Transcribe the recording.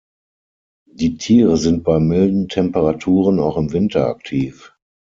Die Tiere sind bei milden Temperaturen auch im Winter aktiv.